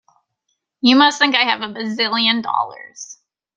You must think I have bazillion dollars.